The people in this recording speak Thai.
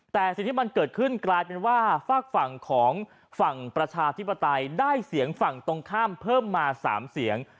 แต่สิ่งที่มันเกิดขึ้นกลายเป็นว่าฝากฝั่งของฝั่งประชาธิปไตยได้เสียงฝั่งตรงข้ามเพิ่มมา๓เสียง